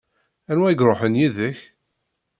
Anwa i iṛuḥen yid-k?